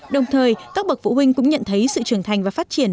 đồng thời các bậc phụ huynh cũng nhận thấy sự trưởng thành và phát triển